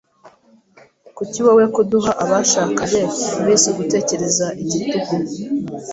Kuki wowe kuduha abashakanye iminsi gutekereza igitugu?